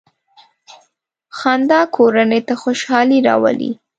• خندا کورنۍ ته خوشحالي راولي.